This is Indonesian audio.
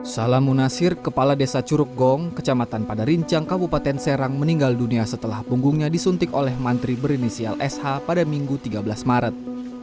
salam munasir kepala desa curug gong kecamatan padarincang kabupaten serang meninggal dunia setelah punggungnya disuntik oleh mantri berinisial sh pada minggu tiga belas maret